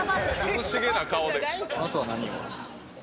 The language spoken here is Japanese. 涼しげな顔で。